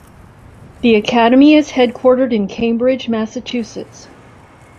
The Academy is headquartered in Cambridge, Massachusetts.